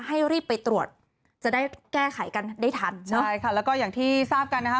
ให้รีบไปตรวจจะได้แก้ไขกันได้ทันใช่ค่ะแล้วก็อย่างที่ทราบกันนะคะ